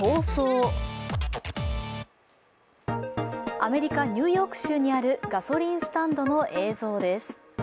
アメリカ・ニューヨーク州にあるガソリンスタンドの映像です。